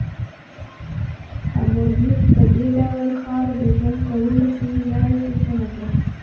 حموربي په دې ډول خاوره د ژوند کولو سمې لارې ته سمه کړه.